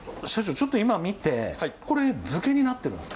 ちょっと今見てこれ漬けになってるんですか？